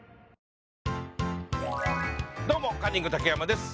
どうも、カンニング竹山です。